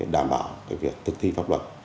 đảm bảo việc thực thi pháp luật